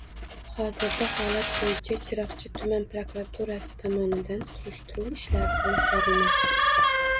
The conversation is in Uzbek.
Hozirda holat bo‘yicha Chiroqchi tuman prokuraturasi tomonidan surishtiruv ishlari olib borilmoqda